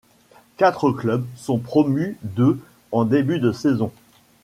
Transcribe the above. Quatre clubs sont promus de en début de saison.